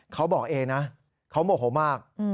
เขาบอกเองนะเขาโมโหมาก